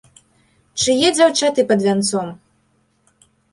Чые дзяўчаты пад вянцом?